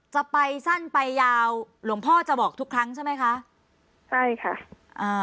จะไปสั้นไปยาวหลวงพ่อจะบอกทุกครั้งใช่ไหมคะใช่ค่ะอ่า